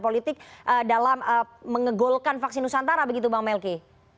dan itu menimbulkan perkembangan politik dalam mengegolkan vaksin nusantara begitu bang melki